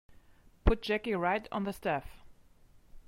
Put Jackie right on the staff.